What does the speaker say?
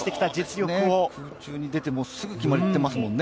空中に出て、すぐにもう決まってますもんね。